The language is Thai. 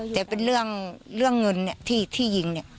แต่เป็นเรื่องเงินที่ยิงเนี่ย